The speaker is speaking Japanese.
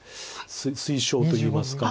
推奨といいますか。